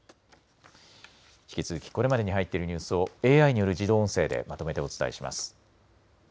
引き続きこれまでに入っているニュースをＡＩによる自動音声でまとめてお伝えします。